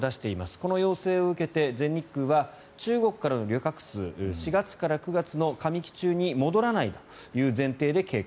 この要請を受けて全日空は中国からの旅客数４月から９月の上期中に戻らないという前提で計画。